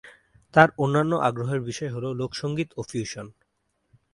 তার অন্যান্য আগ্রহের বিষয় হল লোকসঙ্গীত ও ফিউশন।